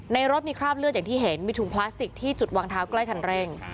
รถมีคราบเลือดอย่างที่เห็นมีถุงพลาสติกที่จุดวางเท้าใกล้คันเร่ง